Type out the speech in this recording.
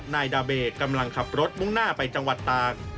นายดาเบกำลังขับรถมุ่งหน้าไปจังหวัดตาก